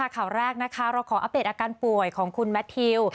ข่าวแรกนะคะเราขออัปเดตอาการป่วยของคุณแมททิว